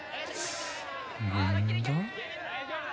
何だ？